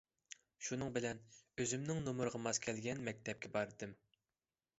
شۇنىڭ بىلەن ئۆزۈمنىڭ نومۇرىغا ماس كەلگەن مەكتەپكە باردىم.